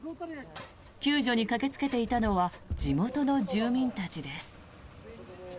救助に駆けつけていたのは地元の住民たちです。